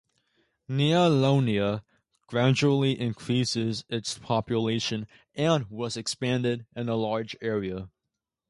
Nea Ionia gradually increases its population and was expanded in a large area.